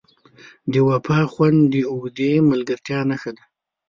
د وفا خوند د اوږدې ملګرتیا نښه ده.